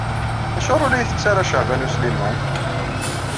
Acuɣer ur la isett ara Caɛban U Sliman?